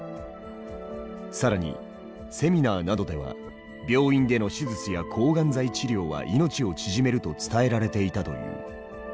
更にセミナーなどでは病院での手術や抗がん剤治療は命を縮めると伝えられていたという。